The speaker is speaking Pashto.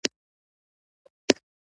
باد له هوا سره ملګری دی